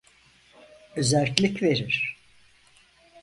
Özerklik verir!